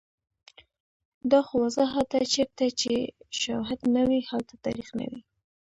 دا خو واضحه ده چیرته چې شوهد نه وي، هلته تاریخ نه وي